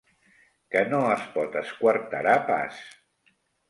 Que no es pot esquarterar pas.